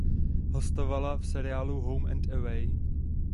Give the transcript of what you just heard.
Hostovala v seriálu "Home and Away".